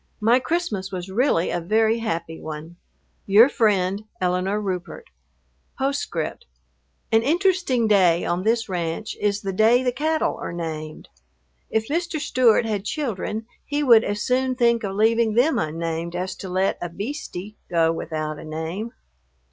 My Christmas was really a very happy one. Your friend, ELINORE RUPERT. ... An interesting day on this ranch is the day the cattle are named. If Mr. Stewart had children he would as soon think of leaving them unnamed as to let a "beastie" go without a name.